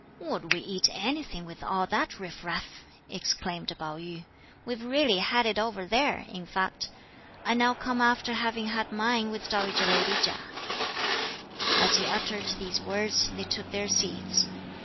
"Would we eat anything with all that riff raff?" exclaimed Pao yü; "we've really had it over there; in fact, I now come after having had mine with dowager lady Chia." As he uttered these words, they took their seats.